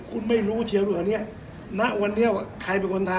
คุณไม่รู้เชียวตัวเนี้ยณวันเที่ยวค่ะใครเป็นคนทำ